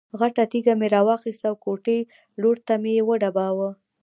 غټه تیږه مې را واخیسته او کوټې لور ته مې یې وډباړه.